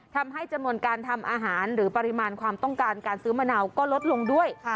ทำให้จำนวนการทำอาหารหรือปริมาณความต้องการการซื้อมะนาวก็ลดลงด้วย